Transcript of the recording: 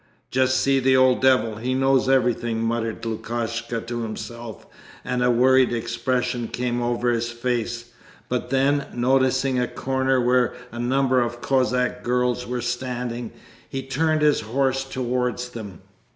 'Just see the old devil, he knows everything,' muttered Lukashka to himself, and a worried expression came over his face; but then, noticing a corner where a number of Cossack girls were standing, he turned his horse towards them.